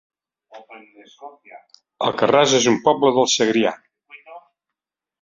Alcarràs es un poble del Segrià